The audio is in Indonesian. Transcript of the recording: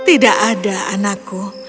tidak ada anakku